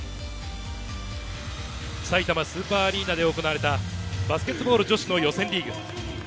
さいたまスーパーアリーナで行われた、バスケットボール女子の予選リーグ。